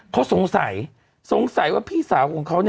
เค้าสงสัยว่าพี่สาวกับเขา